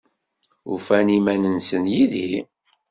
Ufan iman-nsen yid-i?